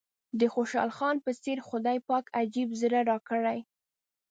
د خوشحال خان په څېر خدای پاک عجيب صبر راکړی.